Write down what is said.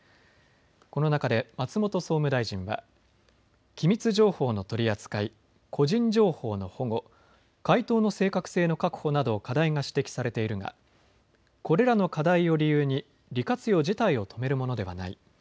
この中で松本総務大臣は機密情報の取り扱い、個人情報の保護、回答の正確性の確保など課題が指摘されているがこれらの課題を理由に利活用自体を止めるものではない。